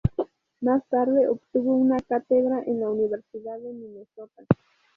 Más tarde obtuvo una cátedra en la Universidad de Minnesota.